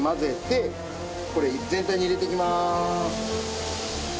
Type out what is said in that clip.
これ全体に入れていきます。